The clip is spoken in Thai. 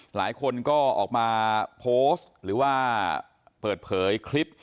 หลายคนก็ออกมาโพสต์หรือว่าเปิดเผยคลิป